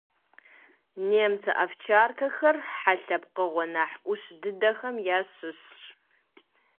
Нэмыцэ овчаркэхэр хьэ лъэпкъыгъуэ нэхъ ӏущ дыдэхэм ящыщщ.